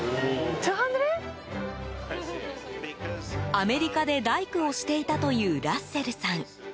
アメリカで大工をしていたというラッセルさん。